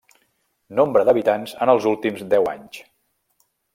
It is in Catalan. Nombre d'habitants en els últims deu anys.